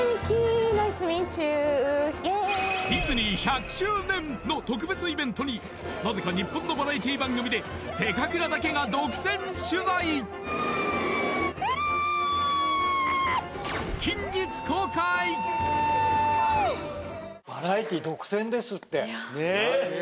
ディズニー１００周年の特別イベントになぜか日本のバラエティ番組で「せかくら」だけが独占取材キャーッ！